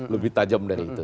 lebih tajam dari itu